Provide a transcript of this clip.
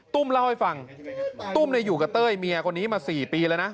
เล่าให้ฟังตุ้มอยู่กับเต้ยเมียคนนี้มา๔ปีแล้วนะ